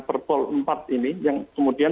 perpol empat ini yang kemudian